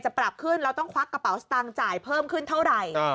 ปรับขึ้นแล้วต้องควักกระเป๋าสตางค์จ่ายเพิ่มขึ้นเท่าไหร่